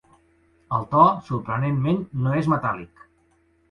El to, sorprenentment, no és metàl·lic.